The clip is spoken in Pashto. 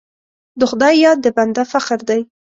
د خدای یاد د بنده فخر دی.